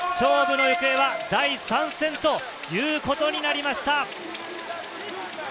勝負の行方は第３戦へということになりました。